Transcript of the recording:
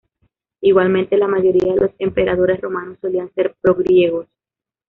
Igualmente la mayoría de los emperadores romanos solían ser pro-griegos.